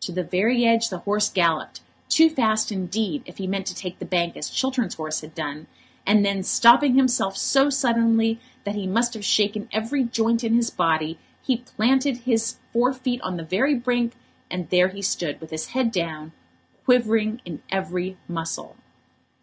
To the very edge the horse galloped, too fast, indeed, if he meant to take the bank as Chiltern's horse had done, and then stopping himself so suddenly that he must have shaken every joint in his body, he planted his fore feet on the very brink, and there he stood, with his head down, quivering in every muscle.